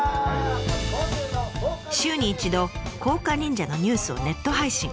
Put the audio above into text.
週に一度甲賀忍者のニュースをネット配信。